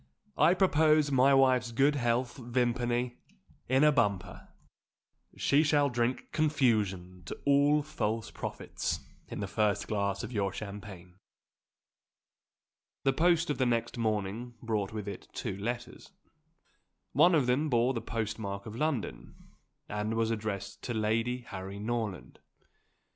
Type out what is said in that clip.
"I propose my wife's good health, Vimpany, in a bumper. She shall drink confusion to all false prophets in the first glass of your champagne!" The post of the next morning brought with it two letters. One of them bore the postmark of London, and was addressed to Lady Harry Norland.